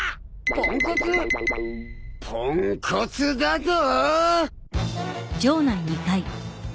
ポンコツだとぉ！？